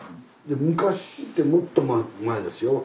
昔ってもっと前ですよ。